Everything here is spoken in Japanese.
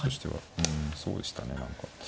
うんそうでしたね何か。